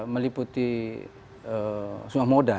meliputi semua moda